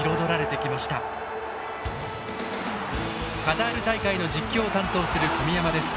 カタール大会の実況を担当する小宮山です。